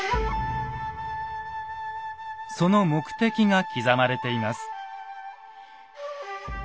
その目的が刻まれています。